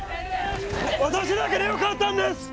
私だけでよかったんです！